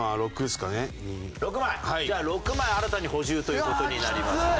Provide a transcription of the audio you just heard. じゃあ６枚新たに補充という事になりますね。